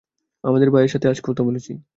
আমার ভাইয়ের সাথে আজ কথা বলেছি।